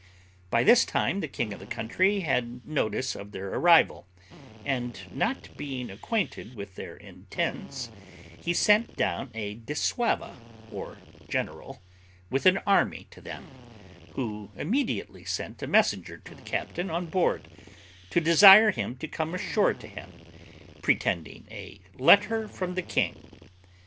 By this time the king of the country had notice of their arrival, and, not being acquainted with their intents, he sent down a dissauva, or general, with an army, to them, who immediately sent a messenger to the captain on board, to desire him to come ashore to him, pretending a letter from the king.